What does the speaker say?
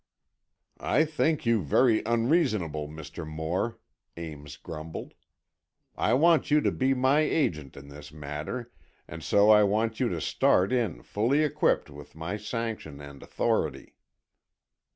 "I think you very unreasonable, Mr. Moore," Ames grumbled. "I want you to be my agent in this matter, and so I want you to start in fully equipped with my sanction and authority."